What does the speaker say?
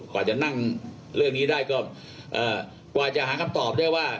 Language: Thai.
กว่าจะนั่งเรื่องนี้ได้ก็กว่าจะหาคำตอบได้ว่า